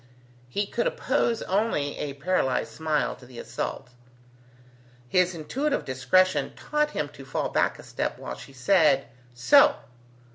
He could oppose only a paralyzed smile to the assault. His intuitive discretion taught him to fall back a step while she said, "So!"